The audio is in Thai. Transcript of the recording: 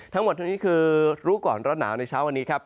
ทั้งหมดทั้งนี้คือรู้ก่อนร้อนหนาวในเช้าวันนี้ครับ